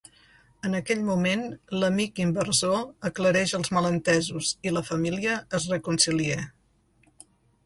En aquell moment l’amic inversor aclareix els malentesos i la família es reconcilia.